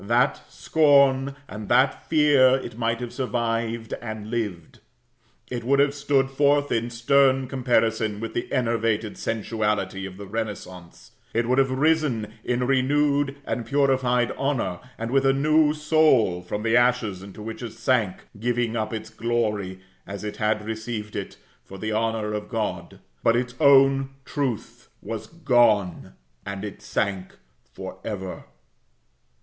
That scorn and that fear it might have survived, and lived; it would have stood forth in stern comparison with the enervated sensuality of the renaissance; it would have risen in renewed and purified honor, and with a new soul, from the ashes into which it sank, giving up its glory, as it had received it, for the honor of God but its own truth was gone, and it sank forever.